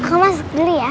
aku mau masuk dulu ya